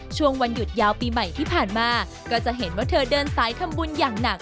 ช่วงวันหยุดยาวปีใหม่ที่ผ่านมาก็จะเห็นว่าเธอเดินสายทำบุญอย่างหนัก